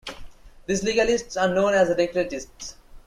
These legalists are known as the decretists.